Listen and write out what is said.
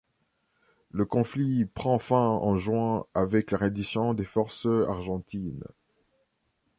Le conflit prend fin en juin avec la reddition des forces Argentines.